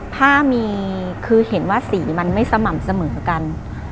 ผ้ามีคือเห็นว่าสีมันไม่สม่ำเสมอกัน